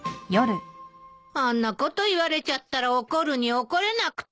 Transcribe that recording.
あんなこと言われちゃったら怒るに怒れなくて。